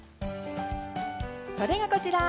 それが、こちら。